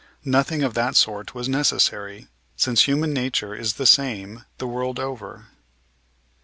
Nothing of that sort was necessary, since human nature is the same the world over.